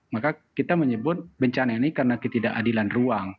maka kita menyebut bencana ini karena ketidakadilan ruang